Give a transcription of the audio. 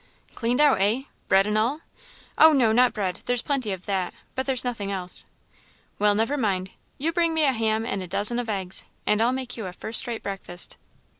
"Cleaned out, eh? Bread and all?" "Oh, no, not bread; there's plenty of that, but there's nothing else." "Well never mind; you bring me a ham and a dozen of eggs, and I'll make you a first rate breakfast."